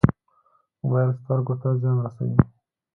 موبایل سترګو ته زیان رسوي